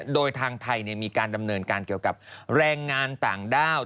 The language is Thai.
โดยทางไทยมีการดำเนินการเกี่ยวกับแรงงานต่างด้าว